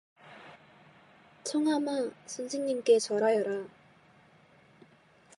창암아, 선생님께 절하여라.